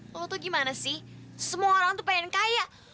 tau tuh gimana sih semua orang tuh pengen kaya